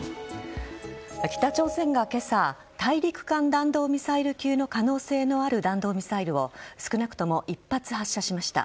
北朝鮮が今朝大陸間弾道ミサイル級の可能性のある弾道ミサイルを少なくとも１発発射しました。